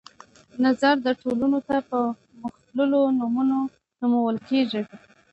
نظر د ټولنو ته په مختلفو نمونو نومول شوي.